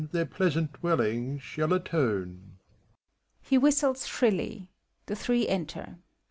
Their pleasant dwelling shall atone.